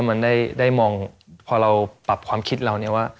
มันได้มองพอเราปรับความคิดเราเนี่ยว่า